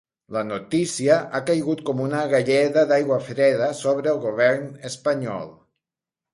La notícia ha caigut com una galleda d’aigua freda sobre el govern espanyol.